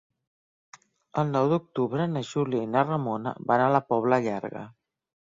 El nou d'octubre na Júlia i na Ramona van a la Pobla Llarga.